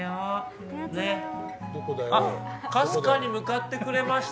かすかに向かってくれました。